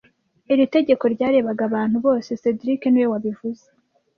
Iri tegeko ryarebaga abantu bose cedric niwe wabivuze